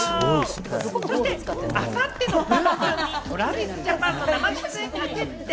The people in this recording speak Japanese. そしてあさってのｂｏｏｍｂｏｏｍにＴｒａｖｉｓＪａｐａｎの生出演が決定。